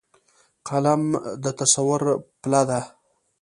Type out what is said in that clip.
قلم د تصور پله ده